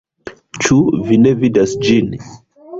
Ĉu vi ne vidas ĝin?